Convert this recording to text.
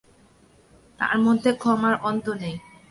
তার মধ্যে ক্ষমার অন্ত নেই।